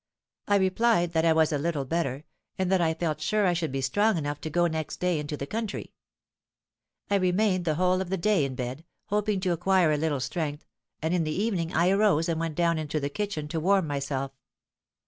I replied that I was a little better, and that I felt sure I should be strong enough to go next day into the country. I remained the whole of the day in bed, hoping to acquire a little strength, and in the evening I arose and went down into the kitchen to warm myself.